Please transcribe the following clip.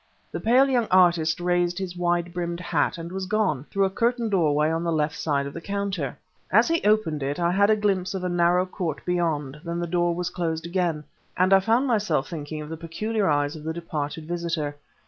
The pale young artist raised his wide brimmed hat, and was gone through a curtained doorway on the left of the counter. As he opened it, I had a glimpse of a narrow court beyond; then the door was closed again ... and I found myself thinking of the peculiar eyes of the departed visitor.